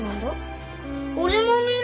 俺も見る！